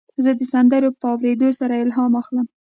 زه د سندرو په اورېدو سره الهام اخلم.